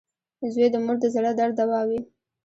• زوی د مور د زړۀ درد دوا وي.